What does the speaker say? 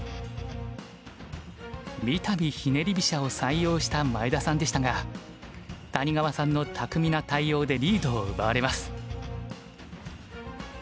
みたびひねり飛車を採用した前田さんでしたが谷川さんの巧みな対応でリードを奪われます。